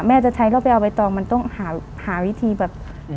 แม่จะใช้เราไปเอาไปต่อมันต้องหาหาวิธีแบบอืม